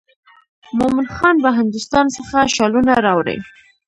مومن خان به هندوستان څخه شالونه راوړي.